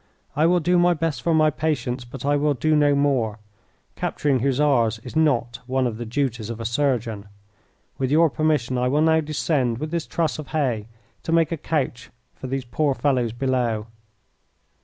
I will do my best for my patients, but I will do no more. Capturing Hussars is not one of the duties of a surgeon. With your permission I will now descend with this truss of hay to make a couch for these poor fellows below."